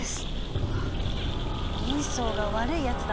うわ人相が悪いやつだなあ。